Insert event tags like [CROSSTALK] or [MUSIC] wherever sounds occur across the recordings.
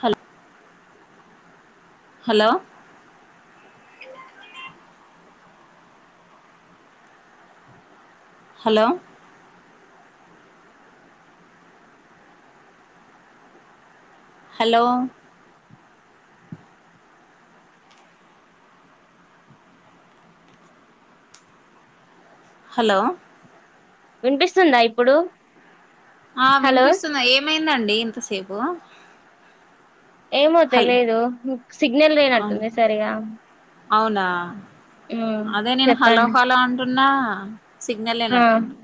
Hello hello hello hello hello వినిపిస్తుందా ఇప్పుడు ఆ హలో వినిపిస్తుంది ఏమైందండి ఇంతసేపు ఏమో హల్ తెలీదు సిగ్నల్ అవును లేేనట్టుంది సరిగా అవునా మ్మ్ అదే నేను హలో చెప్పండి హలో అంటున్నా సిగ్నల్ ఆ లేనట్టుంది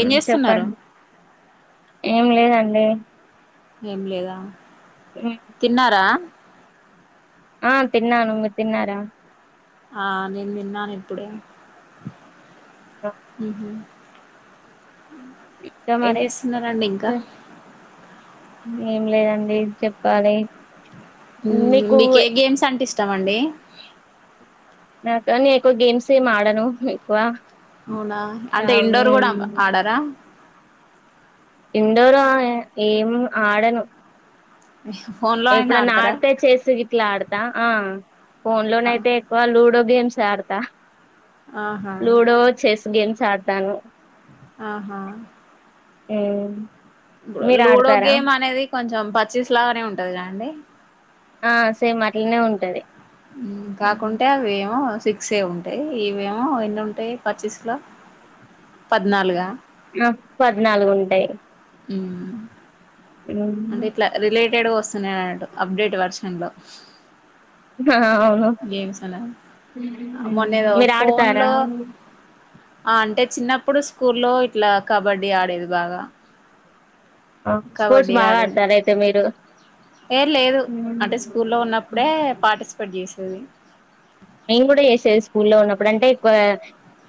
ఏం చేస్తున్నారు చెప్పండి ఏం లేదండి ఏం లేదా ఉమ్, తిన్నారా ఆ తిన్నాను మీర్ తిన్నారా ఆ నేను విన్నాను ఇప్పుడే ఉహు ఇంక ఏం మరి చేస్తున్నారండి ఇంకా ఏం లేదండి చెప్పాలి ఉ మీకు మీక్ ఏ గేమ్స్ అంటే ఇష్టాం అండి నాక నే ఎకువ గేమ్స్ ఎం ఆడను ఎక్కువ అవునా ఆ, అంటే ఇండోర్ కూడా ఉమ్, ఆడరా ఇండోర్ ఏం ఆడను ఫోన్లో అయినా ఎప్పుడన్నా ఆడతారా ఆడితే చేస్సి గిట్ల ఆడతా ఆ ఫోన్ ఆ, లోనయితే ఎక్కువ లూడో గేమ్స్ ఆడతా ఆహా లూడో చెస్ గేమ్స్ ఆడతాను ఆహా ఊ లూడో గేమ్ అనేది కొంచెం పచ్చిస్ లాగానే ఉంటది కదండీ ఆ సేమ్ అట్లనే ఉంటది కాకుంటే అవేమో సిక్స్ ఉంటాయి ఇవేమో ఎన్ని ఉంటాయి పచ్చీస్లో పద్నాలుగు ఆ పద్నాలుగు ఉంటాయి ఉం అంటే ఇట్లా రిలేటెడ్ గా వస్తున్నాయి అన్నటు అప్డేట్ వర్షన్ లో అ ఆవును గేమ్స్ అనేవి మీరు ఆడతారా ఆ అంటే చిన్నప్పుడు స్కూల్లో ఇట్లా కబడ్డీ ఆడేది బాగా స్పోర్ట్స్ కబడ్డీ బాగా ఆడేది ఆడతారు అయితే మీరు ఏ లేదు అంటే స్కూల్లో ఉన్నప్పుడే పార్టిసిపేట్ చేసేది నేను కూడా చేసేది స్కూల్లో ఉన్నప్పుడు అంటేక్కువ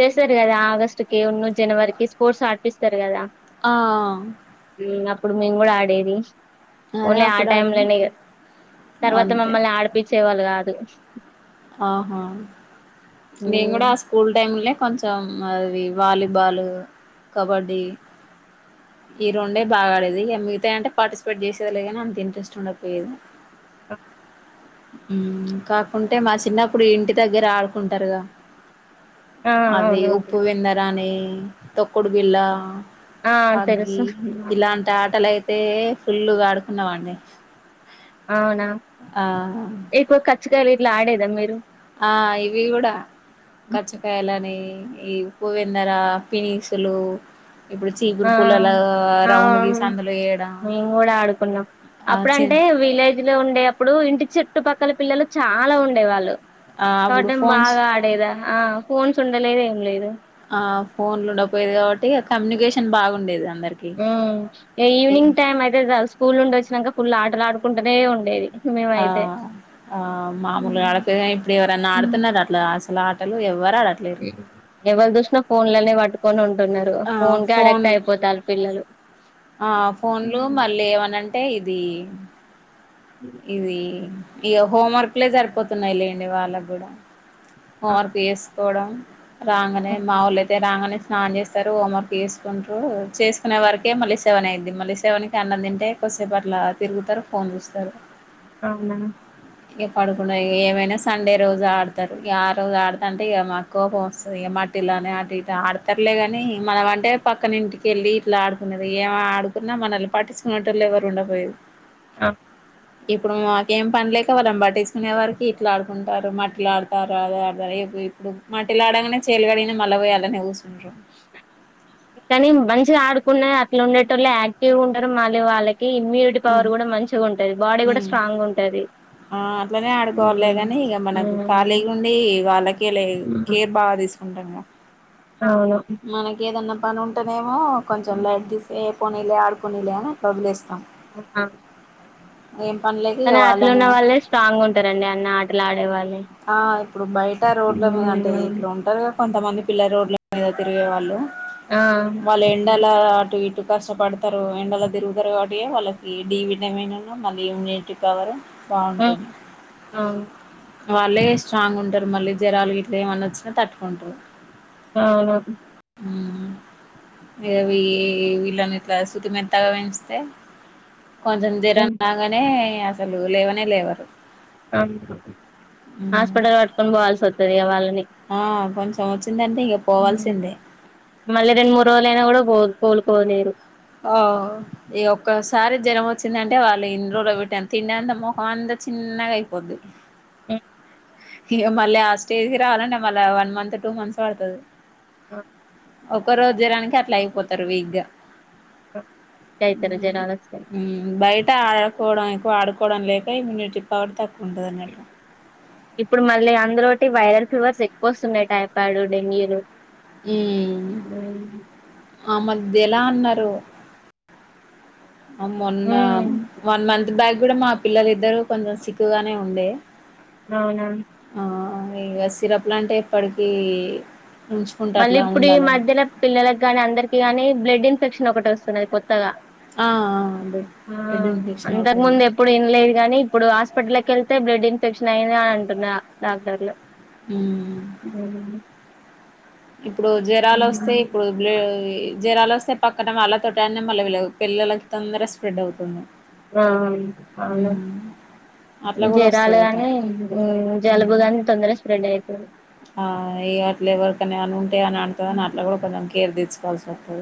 చేస్తారు కదా ఆగస్టుకి ఉన్న జనవరికిి స్పోర్ట్స్ ఆడిపిస్తారు కదా ఆ అప్పుడు మేము కూడా ఆడేది అదే ఓన్లీ ఆ అప్పుడు టైమ్ ఆడిన లోనిగా తర్వాత అంతే మమ్మల్ని ఆడిపచ్చే వాళ్ళు కాదు ఆహా మేం కూడా ఉమ్, ఆ స్కూల్ టైమ్ల కొంచెం అది వాలీబాలు కబడ్డీ ఈ రెండే బాగా ఆడేది ఇక మిగతా అంటే పార్టిసిపేట్ చేసేది లే కానీ అంత ఇంట్రెస్ట్ ఉండకపోయేది ఆ కాకుంటే మా చిన్నప్పుడు ఇంటి దగ్గర ఆడుకుంటారుగా ఆ అది అవునవును ఉప్పు విందరాని తొక్కుడు బిల్ళ ఆ తెలుసు అగి ఇలాంటి ఆటలై తే ఫుల్లుగా ఆడుకున్నవాని అవునా ఎక్కువ ఖచ్చగాయ వీట్లా ఆడేదా మీరు ఆ ఇవి కూడా కచ్చకాయలని ఈ ఉవెందర పినిసులు ఇప్పుడు ఆ చీపురు పూలలు ఆ రౌండ్ గసిందులో వేయడం ఆ అప్పుడ చి అంటే విలేజ్ లో ఉండేప్పుడు ఇంటి చుట్టుపక్కల పిల్లలు చాలా ఉండే వాళ్ళు ఆ అప్పుడు చోటం ఫోన్స్ బాగా ఆడేదా ఆ ఫోన్స్ ఉండలేద ఏం లేదు ఆ ఫోన్లు ఉండపోయేది కాబట్టి కమ్యూనికేషన్ బాగుండేది అందరికి అ ఏ ఈవినింగ్ టైం అయితే స్కూల్ నుండి వచ్చినాక ఫుల్ ఆటలు ఆడుకుంటూనే ఉండేది ఆ మేమైతే ఆ మామూలుగా హ్మ్. ఆడపిగా ఇప్పుడు ఎవరన్నా ఆడుతున్నారు అట్లా అసలు ఆటలు ఎవ ఎవరు చూసినా ఫోన్ లోనే పట్టుకొని ఉంట అంటున్నారు ఫోన్ క అడాక్ట్ అయిపోతారు పిల్లలు ఆ ఫోన్లు మళ్ళీ ఏమనంటే ఇది ఇది ఇగా హోంవర్క్లే సరిపోతున్నాయి లేండి వాళ్ళకి కూడా హోంవర్క్ చేస్త కోవడం రాగానే అవును. మావోలు అయితే రాగానే స్నానం చేస్తారు హోంవర్క్ చేసుకుంటారు చేసుకునే వరకే మళ్ళీ సెవెన్ అయిదింది మళ్ళీ సెవెన్ కి అన్న తింటే కొద్దిసేపు అట్లా తిరుగుతారు ఫోన్ చూస్తారు అవునా ఇక పడుకు ఏమైనా సండే రోజు ఆడతారు ఆ రోజు ఆడత అంటే ఇక మాక్కువస్తుంది వాటి ఇలానే అటు ఇటు ఆడతారులేగాని మనం అంటే పక్కన ఇంటికెళ్ళి ఇట్లా ఆడుకునేది ఏమ ఆడుకున్నా మనల్ని పట్టించుకునేటళ్ళు ఎవరు ఉండపోయది ఆ ఇప్పుడు మాకేం పనిలేక వాళ్ళని పట్టించుకునే సరికి ఇట్లా ఆడుకుంటారు మట్ మట్టిలడతారు రా ఆడతారు ఇప్పుడు మట్టిలులాడగానే చేలు కడిగిన మళ పోయి అలానే కూర్చుంటాన్లు కానీ మంచిగా ఆడుకున్నా అట్లా ఉండేటోలు యాక్టివ్గా ఉంటారు మళ్ళీ వాళ్ళకి ఇమ్యూనిటీ పవర్ కూడా మంచిగా ఉంటది బాడీ కూడా ఉమ్ స్ట్రాంగ్ ఉంటది ఆ అట్లనే ఆడుకోవాలలే హ్మ్. కాని ఇక మనకు హ్మ్. ఖాళీగా ఉండి వాళ్ళకే లే కేర్ బాగా తాము అవును మనక ఏదన్నా పని ఉంటేనేమో కొంచెం లైట్ తీసి ఏ పోనీలే ఆడుకునిలే అని అట్లా వదిలేస్తాం [INAUDIBLE] ఏం పనిలేక కానీ ఇక అట్లున్న వాళ్ళనే వాళ్ళే స్ట్రాంగ్ గా ఉంటారండి అన్ని ఆటలు ఆడే వాళ్ళే ఆ ఇప్పుడు బయట రోడ్ల మీద అంటే ఇప్పుడు ఉంటారు కదా కొంతమంది పిల్లల రోడ్ల మీద తిరిగేవాళ్ళు ఆ వాళ్ళ హ్మ్. ఎండలా అటు ఇటు కస్టపడతారు ఎండలో తిరుగుతారు కాబట్టి వాళ్ళకి డీ విటమిన్ ఉన్న మళ్ళీ ఇమ్యూనిటీ పవర్ బాగుంటుంది అవును వాళ్ళే స్ట్రాంగ్ ఉంటారు మళ్ళీ జ్వరాలు గిట్ల ఏమన్నా వచ్చినా తట్టుకుంటారు అవును ఆవి విలనీ ఇట్ల సుతి మెత్తగా పెంచితే కొంచెం జరం హ్మ్. రాగానే అసలు లేవనే లేవరు హాస్పిటల్ పట్టుకొని పోవాల్సి వస్తుది వాళ్ళనీ ఆ కొంచెం వచ్చిందంటే ఇక పోవాల్సిందే మళ్ళీ రెండు మూడు రోజులయినా కూడా పోద్ కోలుకోలెరు ఓ ఈ ఒక్కసారి జరం ఒ వచ్చిందంటే వాళ్ళు ఇంట్లోనే తిండి అంతే ముఖం అంత చిన్నగా అయిపోది హ్మ్ ఇగ మళ్ళీ ఆ స్టేజ్ కి రావాలంటె మళ్ళ వన్ మంత్ టూ మంత్స్ పడుతది ఆ ఒక రోజు జరానికి అట్లా అయిపోతారు వీక్ గా ఆ! అయితారు జనాలు వస్తాయి బయట ఆడకోవడం ఎక్కువ ఆడుకో కోవడం లేక ఇమ్యూనిటీ పవర్ తక్కువ ఉంటది అన్నట్టు ఇప్పుడు మళ్ళీ అందులోటి వైరల్ ఫీవర్స్ ఎక్కువ వస్తున్నాయ్ టైపాడు డెంగ్యూలు హ్మ్ అ మద్యల అన్నారు మొన్న ఉమ్ వన్ మంత్ బ్యాక్ కూడా మా పిల్లలు ఇద్దరు కొంచెం సిక్గానే ఉండే అవునా ఇ సిరప్ లు అంటే ఎప్పటికీ ఉంచుకుంటే మళ్ళీ అట్లా ఇప్పుడు ఈ ఉండాలని మధ్యన పిల్లలకిగానీ అందరికి గానీ బ్లడ్ ఇన్ఫెక్షన్ ఒకటి వస్తున్నది కొత్తగా ఆ ఆ ఆ బ్లడ్ ఇన్ఫెక్షన్ అంతకు అవుతుంది ముందు ఎప్పుడు వినలేదు గానీ ఇప్పుడు హాస్పిటల్కి వెళ్తే బ్లడ్ ఇన్ఫెక్షన్ అయ్యింది అని అంటున్నారు డాక్టర్లు ఉమ్ హ్మ్ ఇప్పుడు జరాలు వస్తే ఇప్పుడు బ్లు జరాలో స్తే పక్కన వాళ్లతోటనే మళ్ళీ పిల్లలకి తొందర స్ప్రెడ్ అవుతుంది ఆ అవునా హ్మ్. అట్లా కూడా జరాలు వస్తుందట గాని జలుబుగాని తొందర స్ప్రెడ్ అయితుంది ఆ అట్ల ఎవరికనా ఏమైనా ఉంటయి అని అంటతుందని అట్లా కూడా కొంచం కేర్ తీ సుకోవాల్సి ఒస్తది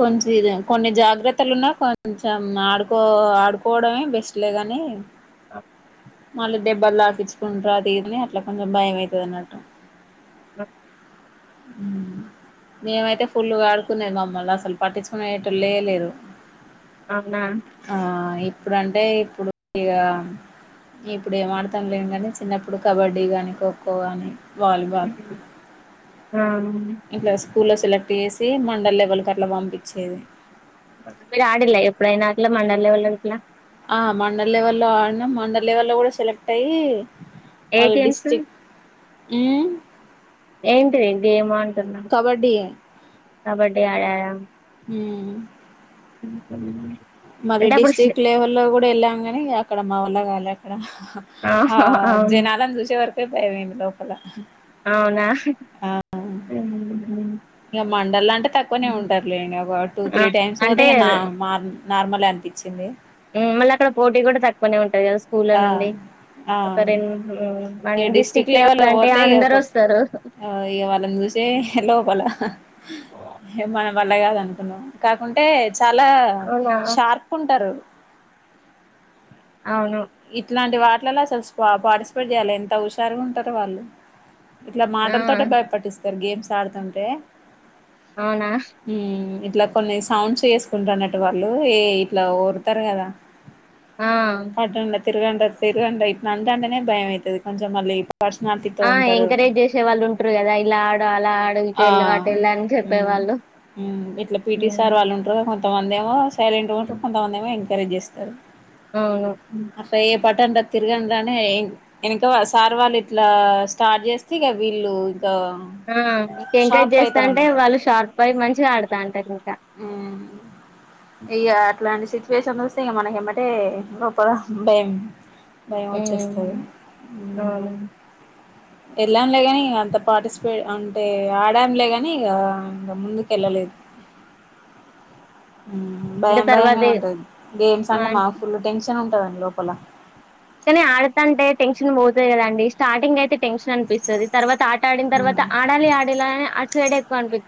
కొంచినే కొన్ని జాగ్రత్తలున్నా కొంచెం ఆడుకో ఆడుకోవడమే బెస్ట్ లే గని ఆ మళ్ళి దెబ్బలు తాకించుకుంట్రు అది ఇది అట్ల కొంచెం భయం అయితది అన్నట్టు అ హ్మ్ మేమయితే ఫుల్గా ఆడుకునేది మా మళ్ళ అసల్ పట్టించుకునేటోళ్ళే లేరు. అవునా ఇప్పుడు అంటే ఇప్పుడు ఇగా ఇప్పుడు ఏం ఆడతం లే గనీ చిన్నప్పుడు కబడ్డీ గానీ ఖోఖో గానీ వాలిబాల్ ఆ ఇంట్ల స్కూల్లా సెలెక్ట్ చేసి మండల్ లెవెల్క్ అట్ల పంపించేది. [UNINTELLIGIBLE] ఆడిల్లా ఎప్పుడయినా అట్లా మండలెవళ్ళ గిట్లా ఆ మండలెవెల్లో ఆడినం మండలెవెల్లో గుడా సెలెక్ట్ అయ్యి ఏ గేమ్సు హ్మ్ ఏంటిది గేమా కబడ్డీ యే కబడ్డీ ఆడరా హ్మ్ [UNINTELLIGIBLE] మరి అంటే అప్పుడు ష్ డిస్ట్రిక్ట్ లెవెల్ లో గుడా వెళ్ళామ్ గని అక్కడ మా వల్ల కాలే అక్కడ ఆ అవును జనాలను చూసె వరకె భయం అయ్యింది లోపల అవునా మ్మ్ మ్మ్ ఇగ మండల్లంటే తక్కువనే ఉంటార్లేండి ఒక టూ, ఆ త్రీ టైమ్స్ అంటే పోతే నా మా నార్మలే అనిపించింది [UNINTELLIGIBLE] పోటీ గుడా తక్కువనే ఉంటది కదా స్కూల్లా ఆ నుండి ఆ ఇక [UNINTELLIGIBLE] డిస్టిక్ డిస్ట్రిక్ట్ లెవెల్లో లెవెలంటే పోతే అందరు వస్తరు. జై హలో భళా హే మ వల్ల కాదు అనుకున్నము కాకుంటే చాలా అవునా షార్ప్ ఉంటరు. అవును ఇట్లాంటి వాట్లలల్లో అసలు స్ప పార్టిసిపేట్ చేయాలి. ఎంత హుషారుగ ఉంటరు వాళ్ళు ఇట్లా ఆ మాటల తోటే భయపెట్టిస్తరు గేమ్స్ ఆడుతుంటే అవునా ఉమ్, ఇట్లా కొన్ని సౌండ్స్ చేసుకుంట అన్నట్టు వాళ్ళు ఏయ్ ఇట్లా ఒర్రుతరు కదా ఆ తిరగంటర్ తిరగంటర్ ఇట్నా అంటటనే భయం అయితది. కొంచెం మళ్ళీ పర్సనాలిటీతో ఆ ఉంటారు ఎంకరేజ్ చేసే వాళ్ళు ఉంట్రు కదా ఇలా ఆడు అలా ఆడు ఇటు ఆ వెళ్ళు అటు ఎళ్ అని మ్మ్ చెప్పేవాళ్ళు మ్మ్ ఇట్లా పిటీ సార్ అవును వాళ్ళు ఉంట్రు కొంతమంది ఏమో సైలెంట్ గుంట్రు కొంతమందెమో ఎంకరేజ్ చేస్తరు. అవును పట్టండ్రా తిరగండ్రా అని ఎనక సార్ వాళ్ళు ఇట్లా స్టార్ట్ చేస్తే ఇగ వీళ్ళు ఇంకా ఆ ఇంక ఎంకరేజ్ షార్ప్ అయితారు చేస్తాంటే అన్నట్టు వాళ్ళు షార్ప్ అయ్యి మంచిగా ఆడతాంటరు ఇంకా ఆ ఇగ అట్లాంటి సిచ్యువేషన్ వస్తే మనకు ఏమంటే [UNINTELLIGIBLE] భయం వచ్చేస్తది అవును హ్మ్ వెళ్ళంలేగాని ఇక అంత పార్టిసిపేట్ అంటే ఆడానులేగాని ఇక ఇంక ముందుకు ఎల్లలేదు ఉమ్ ఇంకా భయం తర్వాత భయంగానే ఉంటుది గేమ్స్ ఆ! అంటే మాకు ఫుల్ టెన్షన్ ఉంటదండి లోపల కానీ ఆడతాంటే టెన్షన్ పోతది కదండి స్టార్టింగ్ అయితే టెన్షన్ అనిపిస్తది తర్వాత ఆట ఆడిన తర్వాత ఆడాలి ఆడాలలా అని అటు సైడ్ ఎక్కువ అనిపి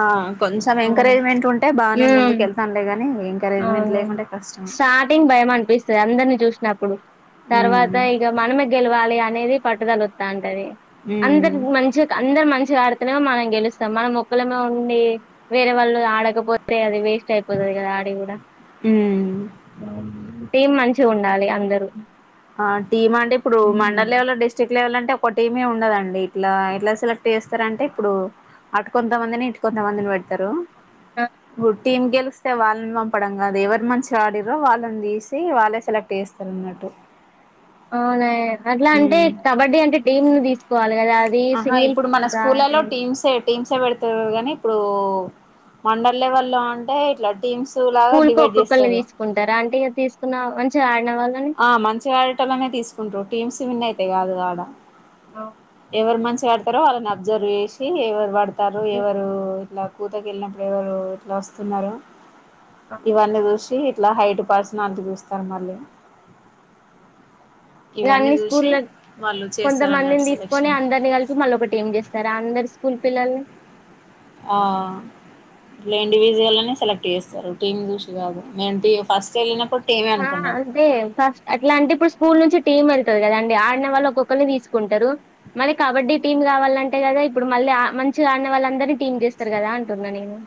ఆ కొంచెం ఎంకరేజ్మెంట్ ఉంటే బాగానే హ్మ్. ముందుక ఎళ్తాములేగాని అవును స్టార్టింగ్ భయం అనిపిస్తది అందరిని చూసినప్పుడు ఉమ్ తర్వాత ఇక మనమే గెలవాలి అని అని పట్టుదల అత్త ఉంటది ఉమ్ అందరి మంచి అందరు మంచిగా ఆడి మనం గెలుస్తాం మన ఒక్కలమే ఉండి వేరే వాళ్ళు ఆడకపోతే అది వే స్ట్ అయిపోతది కదా ఆడికూడా ఉమ్ టీమ్ మంచిగా ఉండాలి అందరు ఆ టీమ్ అంటే ఇప్పుడు మండల్ లెవెల్ డిస్ట్రిక్ట్ లెవెల్ అంటే ఒక టీమే ఉండదండి ఇట్లా ఇట్లా సెలెక్ట్ చేస్తారంటే ఇప్పుడు అటుకొంతమందిని ఇటుకొంతమందిని పెడతారు ఆ గు టీమ్ గెలిస్తే వాళ్ళని పంపడం కాదు ఎవరు మంచిగా ఆడిరో వాళ్ళని తీసి వాళ్ళే సెలెక్ట్ చేస్తారు అన్నట్టు అవునా అట్లా అంటే కబడ్డీ అంటే టీమ్ ను తీసుకోవాలి కదా అది ఆహా సింగిల్ ఇప్పుడు మన స్కూలలో టీమ్స్ ఏ టీమ్సే పెడుతురు కానీ ఇప్పుడు మండల్ లెవల్లో అంటే ఇట్లా టీమ్స్ లాగా స్కూల్ కు డివైడ్ ఒక్కొక్కరిని చేస్తారు తీసుకుంటారా అంటే ఇ తీసుకున్న మంచిగా ఆడే ఆ మంచిగాడటలోనే తీసుకుంట్రారు టీమ్స్ విన్ అయితే కాదు ఆడ ఆ ఎవరు మంచిగా ఆడతారో వాళ్ళని అబ్జర్వ్ చేసి ఎవరు వాడతారు ఎవరు ఇలా కూతకి వెళ్ళినప్పుడు ఎవరు ఇట్లా వస్తున్నారు ఇవన్నీ చూసి ఇట్లా హైట్ పర్సనల్ చూస్తారు మళ్ళీ ఇగ ఇవన్నీ అన్ని చూసి స్కూలులా వాళ్ళు చేస్తారు కొంతమందిని అన్నట్టు తీసుకొని సెలెక్షన్ అందరిని కలిపి మళ్ళీ ఒక టీమ్ చేస్తారా అందరు స్కూల్ పిల్లని ఆ ఇట్లా ఇండివిడ్యుయాల్ సెలెక్ట్ చేస్తారు టీమ్ చూసి కాదు మేము ఫస్ట్ వెళ్ళినప్పుడు టీమే ఆ అనుకున్నాం అంతే ఫస్ట్ అట్లా అంటే ఇప్పుడు స్కూల్ నుంచి టీమ్ వెళ్తుంది కదా అండి ఆడిన వాళ్ళు ఒక్కొక్కరిని తీసుకుంటారు మళ్ కబడ్డీ టీమ్ కావాలంటే కదా ఇప్పుడు మళ్ళీ మంచిగా ఆడిన వాళ్ళందరినీ టీమ్ చేస్తారు కదా అంటున్నా నేను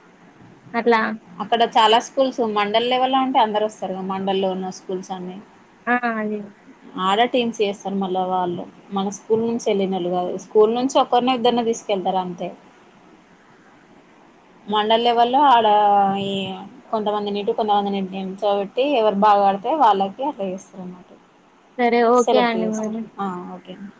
అట్లా అక్కడ చాలా స్కూల్స్ మండల్ లెవెల్ లో ఉంటే అందరు వస్తారు కదా మండల్ లో ఉన్న స్కూల్స్ అన్ని ఆ అదే ఆర టీమ్స్ చేస్తారు మళ్ళ వాళ్ళు మన స్కూల్ నుంచి వెళ్ళినోళ్ళు గాదు స్కూల్ నుంచి ఒకరిని ఇద్దరిని తీసుకెళ్తారు అ అంతే మండల లెవెల్ లో ఆడ ఈ కొంతమందిని ఇటు కొంతమందిని ఇటు నిల్చోబెట్టి ఎవరు బాగా ఆడితే వాళ్ళకి అట్లా చేస్తారు అన్నమాట సరే ఓకే సెలెక్ట్ అండి చేస్తారు మరి ఆ ఓకే అండి